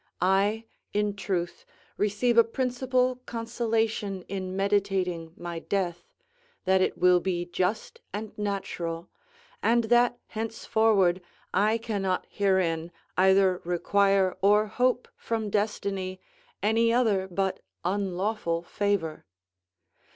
I, in truth, receive a principal consolation in meditating my death, that it will be just and natural, and that henceforward I cannot herein either require or hope from Destiny any other but unlawful favour.